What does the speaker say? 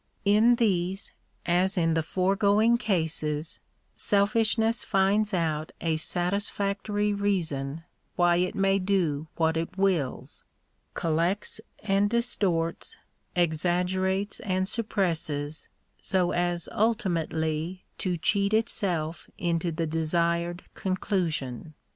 In these, as in the foregoing cases, selfish ness finds out a satisfactory reason why it may do what it wills — collects and distorts, exaggerates and suppresses, so as ulti mately to cheat itself into the desired conclusion.